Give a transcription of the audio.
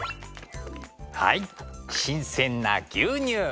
はい新鮮な牛乳。